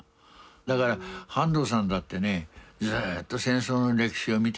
だから半藤さんだってねずっと戦争の歴史を見てきてですよ